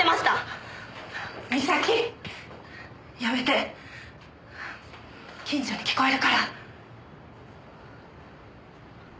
やめて近所に聞こえるから。